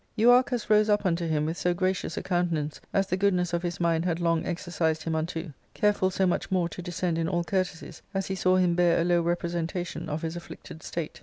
Euarchus rose up unto him with so gracious a countenance as the goodness of his nlind had long exercised him unto ; careful so much more to descend in all courtesies as he saw him bear a low representation of his afflicted state.